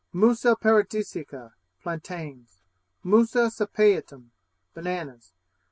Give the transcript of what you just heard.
Musa Paradisiaca Plantains. Musa sapientum Bananas.